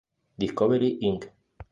Discovery Inc.